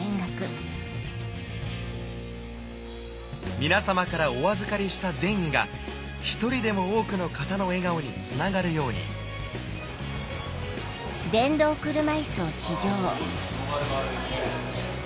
皆さまからお預かりした善意が一人でも多くの方の笑顔につながるように・あすごいです